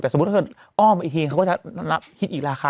แต่สมมุติถ้าเกิดอ้อมอีกทีเขาก็จะคิดอีกราคา